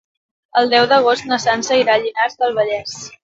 El deu d'agost na Sança irà a Llinars del Vallès.